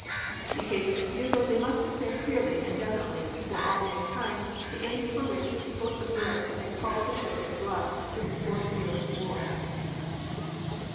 In case of refusal they must declare clearly and definitely before all mankind the aims for which the peoples of Europe had been called to shed their blood during the fourth year of the war.